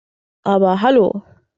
Aber hallo!